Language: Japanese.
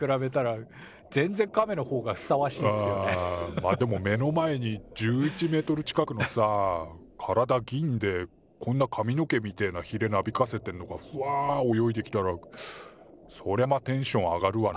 まあでも目の前に１１ｍ近くのさ体銀でこんなかみの毛みてえなヒレなびかせてんのがふわ泳いできたらそりゃまあテンション上がるわな。